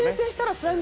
「スライム」